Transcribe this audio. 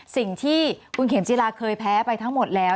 สิ่งที่วุ่นเข็มชีวิตชีพเวลาเคยแพ้ไปทั้งหมดแล้ว